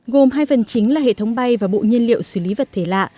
gồm hai phần chính là hệ thống bay và bộ nhiên liệu xử lý vật thể lạ